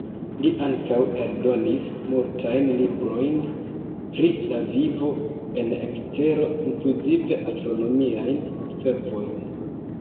Li ankaŭ eldonis multajn librojn pri la vivo en ekstero, inkluzive astronomiajn observojn.